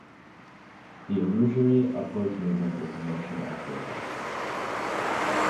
The illusory upwards movement is the motion aftereffect.